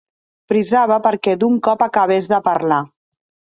Frisava perquè d'un cop acabés de parlar.